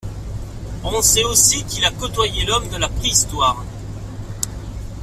On sait aussi qu’il a côtoyé l’homme à la préhistoire.